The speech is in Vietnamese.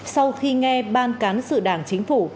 sau khi nghe ban cán sự đảng chính phủ